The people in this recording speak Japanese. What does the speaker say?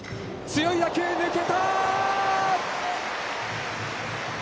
強い打球、抜けたー！